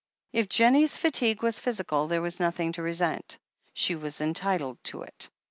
If Jennie's fatigue was physical, there was nothing to resent. She was entitled to it.